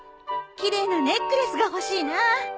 奇麗なネックレスが欲しいな。